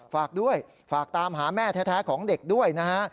ฝากด้วยฝากตามหาแม่แท้ของเด็กด้วยนะฮะ